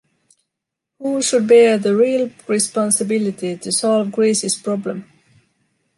Who should bear the real responsibility to solve Greece’s problem?